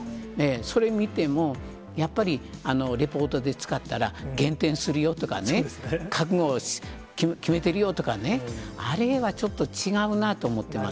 それを見ても、やっぱりレポートで使ったら減点するよとかね、覚悟を決めてるよとかね、あれはちょっと違うなと思ってます。